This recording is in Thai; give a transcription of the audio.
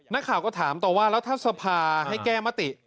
นักข่าวก็ถามต่อว่าแล้วถ้าสภาให้แก้มติ